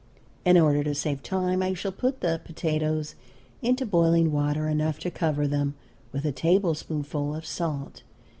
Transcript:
In order to save time I shall put the potatoes into boiling water enough to cover them, with a tablespoonful of salt.